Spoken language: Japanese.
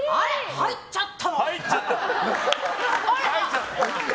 入っちゃった！